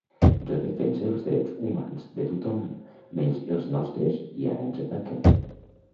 Jo defense els drets humans de tothom menys els nostres i ara ens ataquen